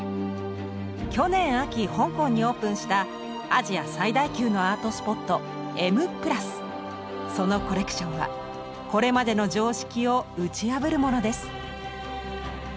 去年秋香港にオープンしたアジア最大級のアートスポットそのコレクションはこれまでの常識を打ち破るものです。